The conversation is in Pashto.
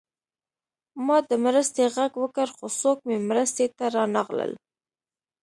ما د مرستې غږ وکړ خو څوک مې مرستې ته رانغلل